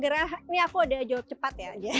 karena ini aku udah jawab cepat ya